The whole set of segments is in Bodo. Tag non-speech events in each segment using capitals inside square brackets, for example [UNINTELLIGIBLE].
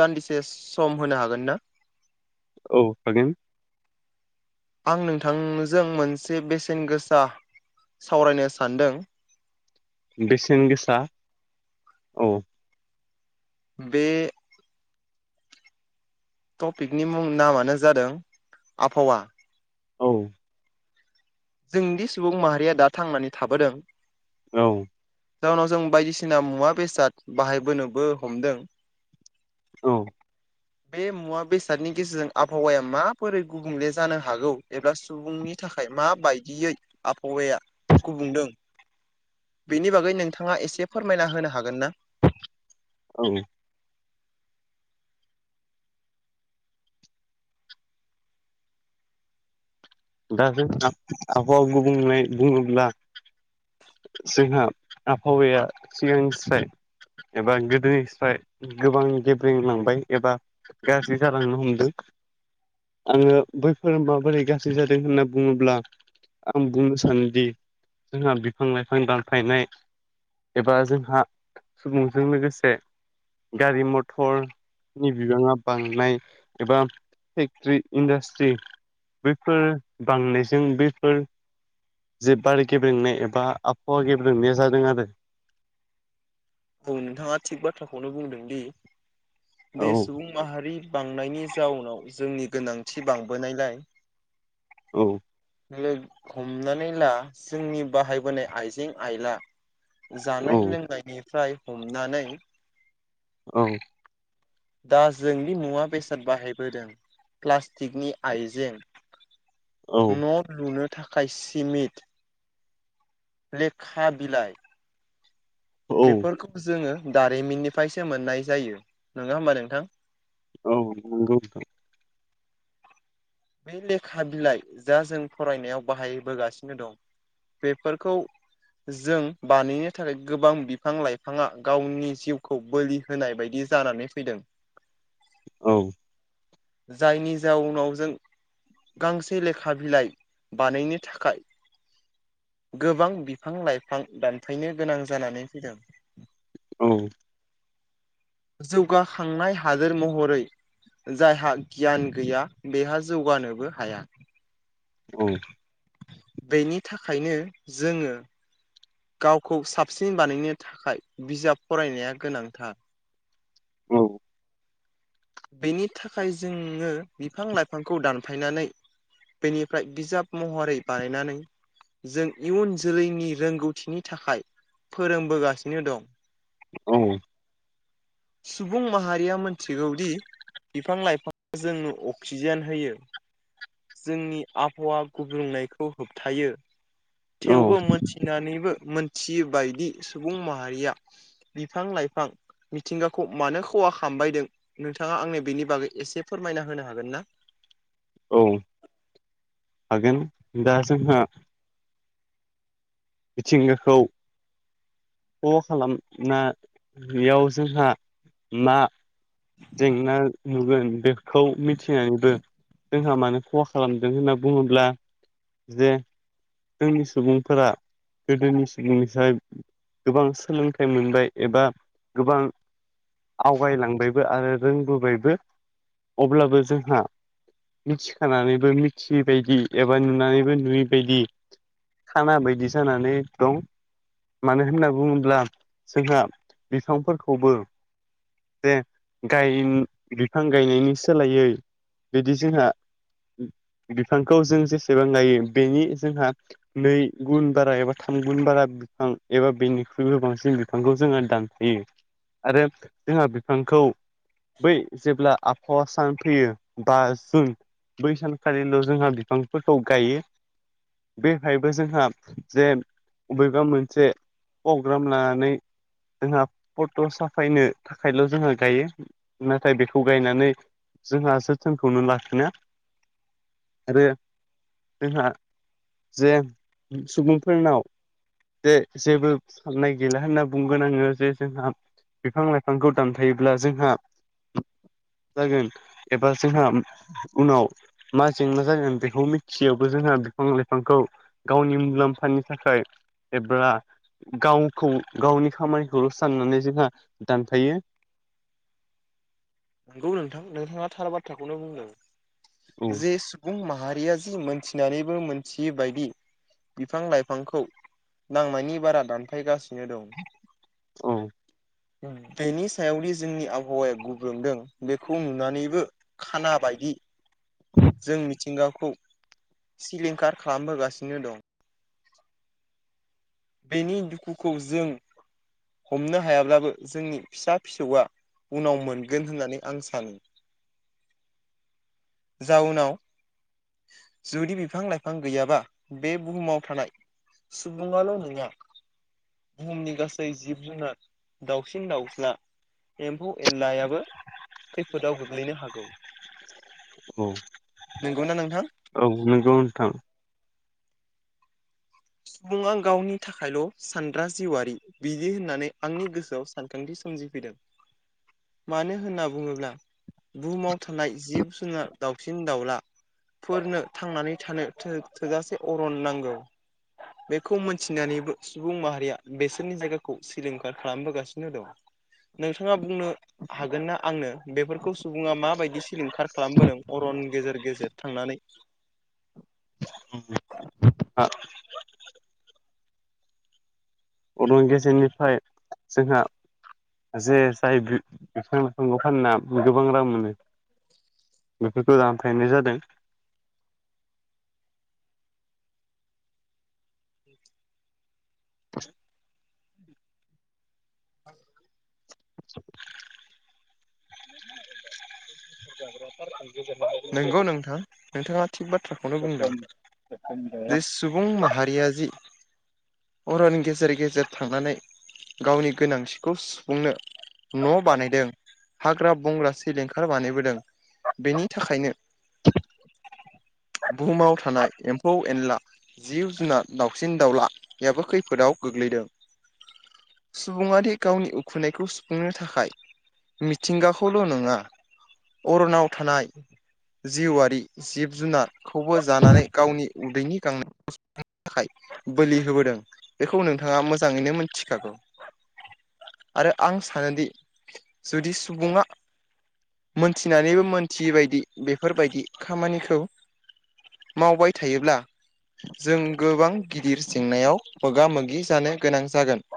दान्दिसे सम होनो हागोन ना? औ हागोन। आं नोंथांजों मोनसे बेसेन गोसा सावरायनो सानदों। बेसेन गोसा औ। बे टपिकनि मुं नामानो जादों आबहावा। औ। जोंनि सुबुं माहारिया दा थांनानै थाबोदों। औ। जाउनाव जों बायदिसिना मुवा बेसाद बाहायबोनोबो हमदों। औ। बे मुवा बेसादनि गेजेरजों आबहावाया माबोरै गुबुंले जानो हागौ एबा सुबुंनि थाखाय मा बायदियै आबहावाया गुबुंदों। बेनि बागै नोंथाङा एसे फोरमायना होनो हागोन ना? औ। दो आ' आखौ बुंनाय बुङोब्ला जोंहा आबहावाया सिगांनिस्राय एबा गोदोनिफ्राय गोबां गेब्रेंलांबाय एबा गाज्रि जालांनो हमदों आङो बैफोर माबोरै गा ज्रि जादों होनना बुङोब्ला आं बुंनो सानोदि जोंहा बिफां लाइफां दानफायनाय एबा जोंहा सुबुंजों लोगोसे गारि मथर नि बिबाङा बांनाय एबा फेक्ट्रि इन्डास्ट्रि बैफोर बांनायजों बैफोर जे बार गेब्रेंनाय एबा आबहावा गेब्रेंनाया जादों आरो। औ नोंथाङा थिग बाथ्राखौनो बुंदों दि बेे औ सुबुं माहारि बांनायनि जाउनाव जोंनि गोनांथि बांबोनायलाय औ। लो हमनानै ला जोंनि बाहायबोनाय आइजें आइला जानाय औ लोंनायनिफ्राय हमनानै औ। दा जोंनि मुवा बेसाद बाहायबोदों। प्लास्टिकनि आइजें औ न' लुनो थाखाय सिमिट लेखा बिलाइ औ बेफोरखौ जोङो दारिमिननिफ्रायसो मोननाय जायो नङा होमबा नोंथां? औ नंगौ नोंथां। बे लेखा बिलाइ जा जों फरायनायाव बाहायबोगासिनो दं बेफोरखौ जों बानायनो थाखाय गोबां बिफां लाइफाङा गावनि जिउखौ बोलि होनाय बायदि जानानै फैदों। औ। जायनि जाउनाव जों गांसे लेखा बिलाइ बानायनो थाखाय गोबां बिफां लाइफां दानफैनो गोनां जानानै फैदों। औ। जौगाखांनाय हादोर महरै जायहा गियान गैया बेहा जौगानोबो हाया। औ। बेनि थाखायनो जोङो गावखौ साबसिन बानायनो थाखाय बिजाब फरायनाया गोनांथार। औ। बेनि थाखाय जोङो बिफां लाइफांखौ दानफायनानै बेनिफ्राय बिजाब महरै बानायनानै जों इयुन जोलैनि रोंगौथिनि थाखाय फोरोंबोगासिनो दं। औ औ सुबुं माहारिया मोन्थिगौदि बिफां लाइफां जोंनो अक्सिजेन होयो जोंनि आबहावा गुबुंनायखौ होबथायो थेवबो मोनथि फिनानैबो मोनथियो बायदि सुबुं माहारिया बिफां लाइफां मिथिंगाखौ मानो खवा खामबायदों नोंथाङा आंनो बेनि बागै एसे फोरमायना होनो हागोन ना? औ हागोन दा जोंहा मिथिंगाखौ फ खालामनायाव जोंहा मा जेंना नुगोन बेखौ मिथिनानैबो जोंहा मानो खहा खालामदों होनना बुङोब्ला जे जोंनि सुबुंफोरा गोदोनि सुबुंनि साय गोबां सोलोंथाइ मोनबाय एबा गोबां आवगायलांबायबो आरो रोंबोबायबो अब्लाबो जोंहा मिथिखानानैबो मिथियै बायदि एबा नुनानैबो नुयै बायदि खाना बायदि जानानै दं मानो होनना बुङोब्ला जोंहा बिफांफोरखौबो जे गाय बिफां गायनायनि सोलायै बिदि जोंहा बिफांखौ जों जेसेबां गायो बेनि जोंहा नै गुन बारा एबा थाम गुन बारा फां एबा बेनिख्रुइबो बांसिन बिफांखौ जोङो दानफायो। आरो जोंहा बिफांखौ बै जेब्ला आबहावा सान फैयो बा जुन बै सानखालिल' जोंहा बिफांफोरखौ गायो। बेहायबो जोंहा जे बबेबा मोनसे प्रग्राम लानानै जोंहा फट' साफायनो थाखायल' जोंहा गायो नाथाय बेखौ गायनानै जोंहा जोथोनखौनो लाफिना आरो जोंहा जे सुबुंफोरनाव जे जेबो साननाय गैला होनना बुंगोन आङो जे जोंहा बिफां लाइफांखौ दानफायोब्ला जोंहा जागोन एबा जोंहा उनाव मा जेंना जागोन बेखौ मिथियोबो जोंहा बिफां लाइफांखौ गावनि मुलाम्फानि थाखाय एबा गावखौ गावनि खामानिखौल' साननानै जोंहा दानफायो नंगौ नोंथां नोंथाङा थार बाथ्राखौनो औ बुंदों जे सुबुं माहारिया जि मोनथिनानैबो मोनथियै बायदि बिफां लाइफांखौ नांनायनि बारा दानफायगासिनो दं औ बेनि सायावदि जोंनि आबहावाया गुबुंदों बेखौ नुनानैबो खाना बायदि जों मिथिंगाखौ सिलिंखार खालामबोगासिनो दं बेनि दुखुखौ जों हमनो हायाब्लाबो जोंनि फिसा फिसौआ उनाव मोनगोन होननानै आं सानो जाउनाव जुदि बिफां लाइफां गैयाबा बे बुहुमाव थानाय सुबुं आनो बुहुमनि गासै जिब जुनार दाउसिन दाउस्ला एम्फौ एनलायाबो खैफोदाव गोग्लैनो हागौ औ नंगौना नोंथां औ नोंगौ नथां सुबुङा गावनि थाखायल' सानग्रा जिउवारि बिदि होननानै आंनि गोसोआव सानखांथि सोमजिफैदों मानो होनना बुङोब्ला बुहुमाव थानाय जिब जुनार दाउसिन दाउला फोरनो थांनानै थानो थोजासे अरन नांगौ बेखौ मोनथिनानैबो सुबुं माहारिया बेसोरनि जायगाखौ सिलिंखार खालामबोगासिनो दं नोंथाङा बुंनो हागोन ना आंनो बेफोरखौ सुबुङा माबायदि सिलिंखार खालामबोदों अरन गेजेर गेजेर थांनानै अरन गेजेरनिफ्राय जोंहा जे जाय बिफां लाइफांखौ फानना गोबां रां मोनो बेफोरखौ दानफायनाय जादों [UNINTELLIGIBLE] नंगौ नोंथां नोंथाङा थिग बाथ्राखौनो बुंदों बे सुबुं माहारिया जि अरन गेजेर गेजेर थांनानै गावनि गोनांथिखौ सुफुंनो न' बानायदों हाग्रा बंग्रा सिलिंखार बानायबोदों बेनि थाखायनो बुहुमाव थानाय एम्फौ एनला जिब जुनाद दाउसिन दावलायाबो खैफोदाव गोग्लैदों सुबुङादि गावनि उखैनायखौ सुफुंनो थाखाय मिथिंगाखौल' नङा अरनाव थानाय जिउआरि जिब जुनारखौबो जानानै गावनि उदैनि गांनायखौ सुुफुंनो थाखाय बोलि होबोदों बेखौ नोंथाङा मोजाङैनो मोनथिखागौ आरो आं सानोदि जुदि सुबुङा मोनथिनानैबो मोनथियै बायदि बेफोरबायदि खामानिखौ मावबाय थायोब्ला जों गोबां गिदिर जेंनायाव मोगा मोगि जानो गोनां जागोन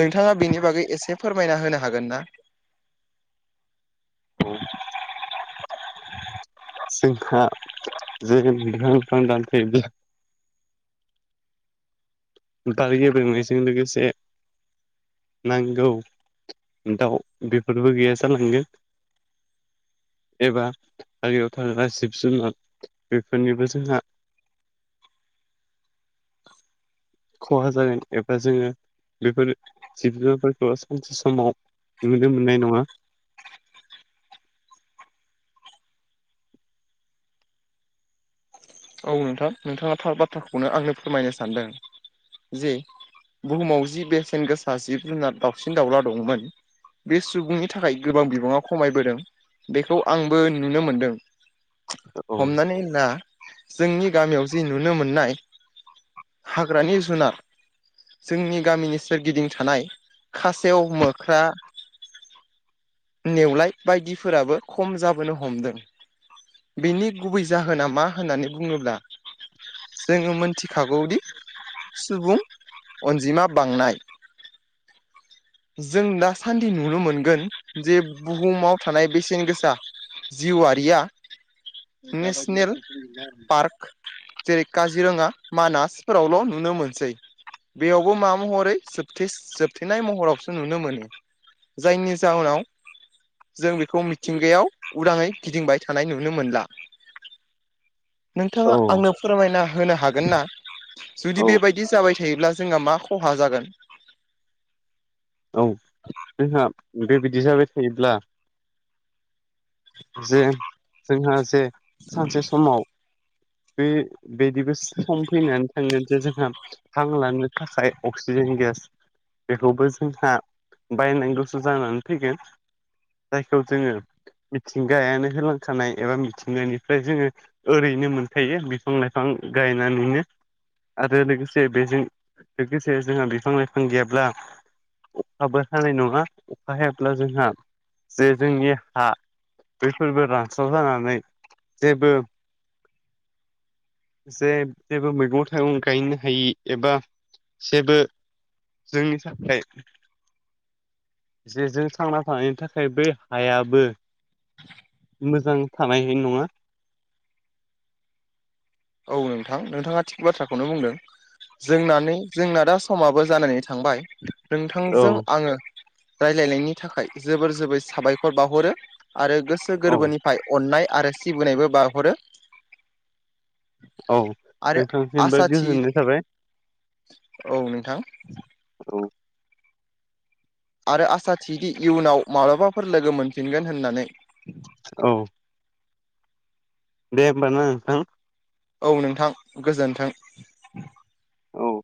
नोंथाङा बेनि बागै एसे फोरमायना होनो हागोन ना औ जोंहा जे बिफां लाइफां दानफायदो बार गेब्रेंनायजों लोगोसे नांगौ [INAUDIBLE] दाउ बेफोरबो गैया जालांगोन। एबा हाग्रायाव थाग्रा जिब जुनार बेफोरनिबो जोंहा ख'हा जागोन एबा जोङो बेफोर जिब जुनारफोरखौ सानसे समाव नुनो मोननाय नङा। औ नोंथां नोंथाङा थार बाथ्राखौनो आंनो फोरमायनो सानदों। जे बुहुमाव जि बेसेन गोसा जिब जुनार दाउसिन दाउला दंमोन। बे सुबुंनि थाखाय गोबां बिबाङाव खमायबोदों बेखौ आंबो नुनो मोनदों। हमनानै ला जोंनि गामियाव जि नुनो मोननाय हाग्रानि जुनार जोंनि गामिनि सोरगिदिं थानाय खासेव, मोख्रा नेवलाय बायदिफोराबो खम जाबोनो हमदों। बिनि गुबै जाहोना मा होननानै बुङोब्ला जोङो मोनथिखागौदि सुबुं अनजिमा बांनाय। [INAUDIBLE] जों दासान्दि नुनो मोनगोन जे बुहुमाव थानाय बेसेन गोसा जिउआरिया नेसनेल पार्क [UNINTELLIGIBLE] जेरै काजिरङा मानासफोरावल' नुनो मोनसै। बेयावबो मा महरै जोबथेस-जोबथेनाय महरावसो नुनो मोनो। जायनि जाहोनाव जों बेखौ मिथिंगायाव उदाङै गिदिंबाय थानाय नुनो मोनला। औ नोंथाङा आंनो फोरमायना होनो हागोन ना? जुदि औ बेबायदि जाबाय थायोब्ला जोंहा मा खहा जागोन? औ जोंहा बेबायदि जाबाय थायोब्ला जे जोंहा जे सानसे समाव बे बिदिबो सम फैनानै थांगोन जे जोंहा हां लानो थाखाय अक्सिजेन गेस बेखौबो जोंहा बायनाय दसो जानानै फैगोन जायखौ जोङो मिथिंगायानो होलांखानाय एबा मिथिंगानिफ्राय जोङो ओरैनो मोनखायो बिफां लाइफां गायनानैनो। आरो लोगोसे बेजों लोगोसे जोंहा बिफां लाइफां गैयाब्ला अखाबो हानाय नङा अखा हायाब्ला जोंहा जे जोंनि हा बेफोरबो रानस्राव जानानै जेबो जे जेबो मैगं थाइगं गायनो हायि एबा जेबो जोंनि थाखाय [INAUDIBLE] जे जों थांना थानायनि थाखायबो हायाबो मोजां थानाय नङा। औ नोंथां नोंथाङा थिग बाथ्राखौनो बुंदों। जोंनानै जोंना दा समाबो जानानै थांबाय औ नोंथांजों आङो रायलायनायनि थाखाय जोबोर जोबोर साबायखर बाउहरो। आरो गोसो औ गोरबोनिफ्राय अननाय आरो सिबिनायबो बाहरो। औ आरो नोंथांसिमबो आसा थि गोजोननाय थाबाय [INAUDIBLE] औ नोंथां। औ। आरो आसा थियोदि इयुनाव माब्लाबाफोर लोगो मोनफिनगोन होननानै। औ। दे होमबा ना नोंथां। औ नोंथां गोजोन्थों। औ।